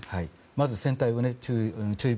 まず船体を注意